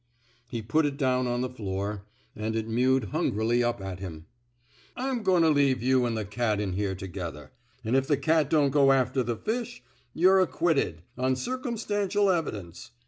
He put it down on the fioor, and it mewed hungrily up at him. I'm goin' to leave you an' th' cat in here together. An' if the cat don't go after the fish, yuh 're acquitted on circumstantial evidence.